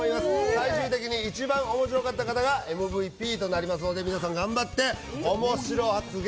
最終的に一番面白かった方がＭＶＰとなりますので皆さん頑張ってオモシロ発言